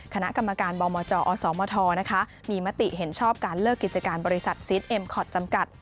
คณะกรรมการบมจอสมทมีมติเห็นชอบการเลิกกิจการบริษัทซีสเอ็มคอร์ดจำกัด